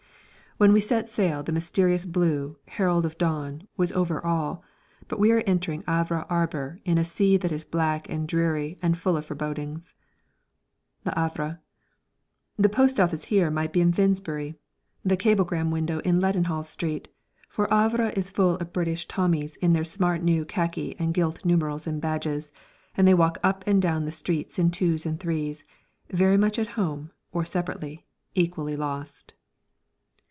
When we set sail the mysterious blue, herald of dawn, was over all, but we are entering Havre harbour in a sea that is black and dreary and full of forebodings. Le Hâvre. The post office here might be in Finsbury, the cablegram window in Leadenhall Street, for Havre is full of British Tommies in their smart new khaki and gilt numerals and badges, and they walk up and down the streets in twos and threes very much at home, or separately equally lost.